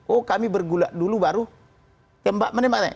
oh kami bergulat dulu baru tembak menembaknya